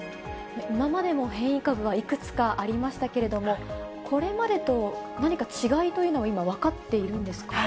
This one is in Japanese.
今までも変異株はいくつかありましたけれども、これまでと何か違いというのは、今、分かっているんですか？